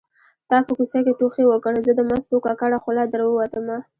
تا په کوڅه کې ټوخی وکړ زه د مستو ککړه خوله در ووتمه